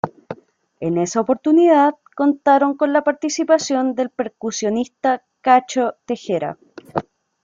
En esa oportunidad contaron con la participación del percusionista Cacho Tejera.